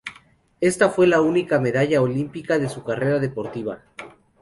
Esta fue la única medalla olímpica de su carrera deportiva.